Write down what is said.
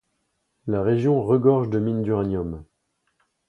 La région regorge de mines d'uranium.